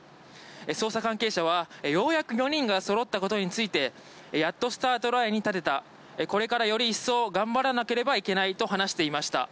捜査関係者はようやく４人がそろったことについてやっとスタートラインに立てたこれからより一層頑張らなければいけないと話していました。